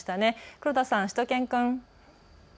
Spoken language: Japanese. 黒田さん、しゅと犬くん。